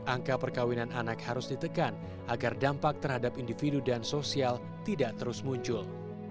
angka perkawinan anak harus ditekan agar dampak terhadap individu dan sosial tidak terus muncul